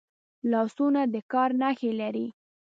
لاسونه د کار نښې لري